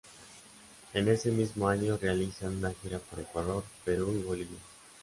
En ese mismo año realizan una gira por Ecuador, Perú y Bolivia.